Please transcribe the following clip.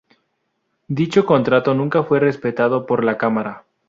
Dicho contrato nunca fue respetado por la cámara.